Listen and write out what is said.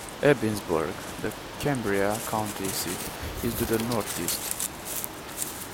Ebensburg, the Cambria County seat, is to the northeast.